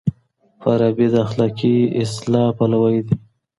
فارابي د اخلاقي اصلاح پلوی دی.